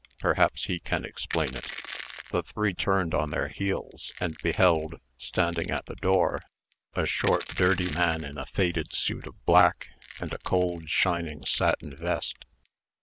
Perhaps he can explain it." The three turned on their heels, and beheld, standing at the door, a short, dirty man in a faded suit of black, and a cold shining satin vest.